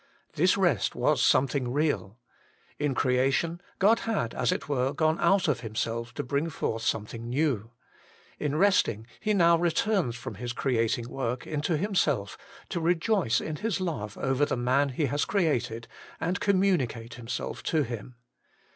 This rest was some thing real. In Creation, God had, as it were, gone HOLINESS AND CREATION. 31 out of Himself to bring forth something new : in resting He now returns from His creating work into Himself, to rejoice in His love over the man He has created, and communicate Himself to him.